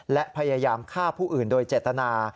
และพยายามฆ่าผู้อื่นโดยเจตนา